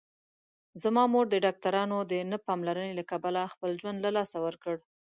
زما مور د ډاکټرانو د نه پاملرنې له کبله خپل ژوند له لاسه ورکړ